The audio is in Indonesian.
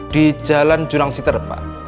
di jalan jurang citer pak